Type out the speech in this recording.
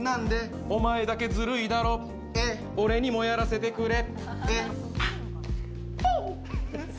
お前だけずるいだろ、俺にもやらせてくれ、Ａｈ！